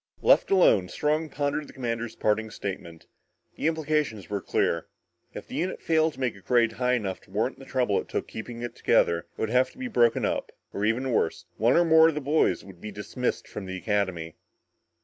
Left alone, Strong pondered the commander's parting statement. The implication was clear. If the unit failed to make a grade high enough to warrant the trouble it took keeping it together, it would be broken up. Or even worse, one or more of the boys would be dismissed from the Academy.